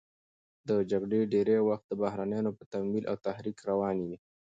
دا جګړې ډېری وخت د بهرنیانو په تمویل او تحریک روانې وې.